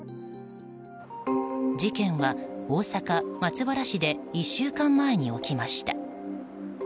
事件は大阪・松原市で１週間前に起きました。